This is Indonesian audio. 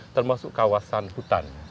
termasuk kawasan hutan